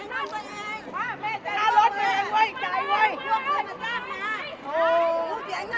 แหละตัวเจ้าเข้าหมาย